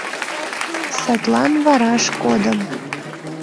Садлан вараш кодым.